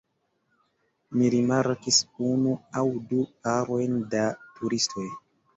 Mi rimarkis unu aŭ du parojn da turistoj.